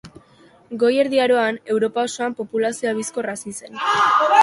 Goi Erdi Aroan, Europa osoan populazioa bizkor hazi zen.